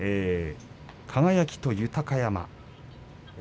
輝と豊山。